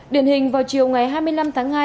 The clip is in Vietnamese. điển hình vào chiều ngày hai mươi năm tháng hai